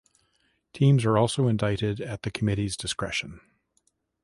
Teams are also inducted at the committees' discretion.